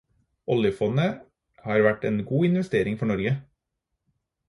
Oljefondet har vært en god investering for Norge.